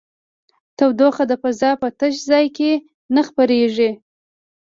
تودوخه د فضا په تش ځای کې نه خپرېږي.